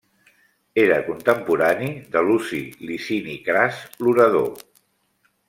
Era contemporani de Luci Licini Cras, l'orador.